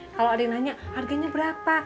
kalau adik nanya harganya berapa